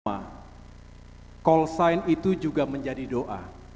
call sign itu juga menjadi doa